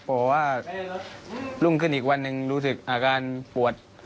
บอกว่ารุ่งขึ้นอีกวันหนึ่งรู้สึกอาการปวด